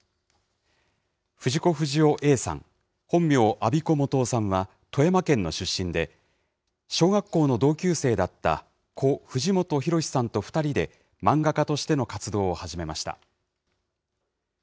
藤子不二雄Ａさん、本名・安孫子素雄さんは富山県の出身で、小学校の同級生だった、故・藤本弘さんと２人で漫画家としての活動を始めました。